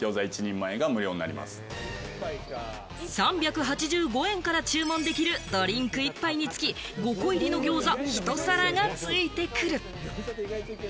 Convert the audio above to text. ３８５円から注文できるドリンク１杯につき５個入りの餃子